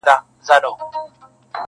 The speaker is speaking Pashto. o پیسه داره بس واجب د احترام دي,